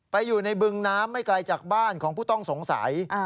ไปอยู่ในบึงน้ำไม่ไกลจากบ้านของผู้ต้องสงสัย